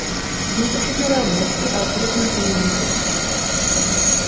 Zní to všechno velmi hezky, ale skutečnost je mnohem tvrdší.